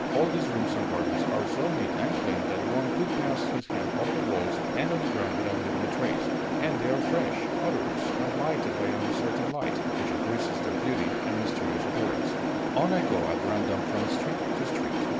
All these rooms and gardens are so neat and clean that one could pass his hand over the walls and on the ground without leaving a trace; and they are fresh, odorous, and lighted by an uncertain light, which increases their beauty and mysterious appearance. On I go at random from street to street.